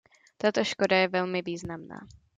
Tato škoda je velmi významná.